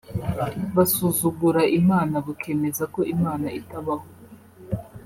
busuzugura Imana bukemeza ko Imana itabaho